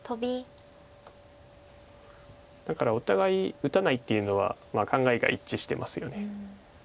だからお互い打たないっていうのは考えが一致してますよね。